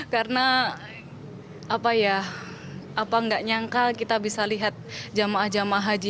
karena apa ya apa enggak nyangka kita bisa lihat jemaah jemaah haji yang sudah tua tua